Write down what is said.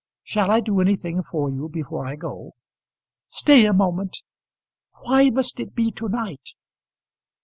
Shall I do anything for you before I go?" "Stay a moment. Why must it be to night?"